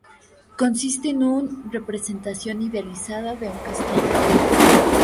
Consiste en un representación idealizada de un castillo.